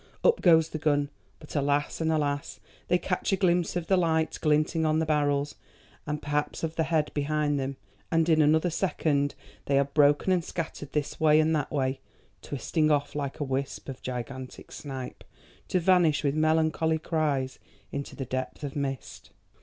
Up goes the gun, but alas and alas! they catch a glimpse of the light glinting on the barrels, and perhaps of the head behind them, and in another second they have broken and scattered this way and that way, twisting off like a wisp of gigantic snipe, to vanish with melancholy cries into the depth of mist.